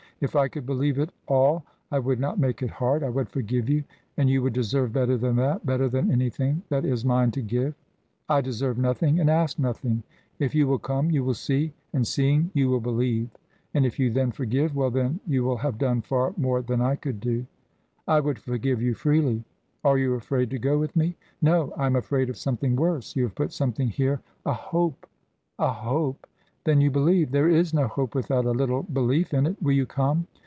"If I could believe it all I would not make it hard. I would forgive you and you would deserve better than that, better than anything that is mine to give." "I deserve nothing and ask nothing. If you will come, you will see, and, seeing, you will believe. And if you then forgive well then, you will have done far more than I could do." "I would forgive you freely " "Are you afraid to go with me?" "No. I am afraid of something worse. You have put something here a hope " "A hope? Then you believe. There is no hope without a little belief in it. Will you come?"